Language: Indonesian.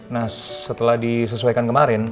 nah setelah disesuaikan kemarin